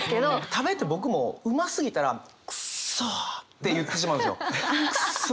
食べて僕もうますぎたら「クソ」って言ってしまうんですよ。